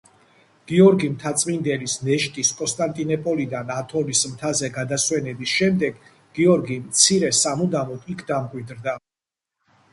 გიორგი მთაწმიდლის ნეშტის კონსტანტინოპოლიდან ათონის მთაზე გადასვენების შემდეგ გიორგი მცირე სამუდამოდ იქ დამკვიდრდა.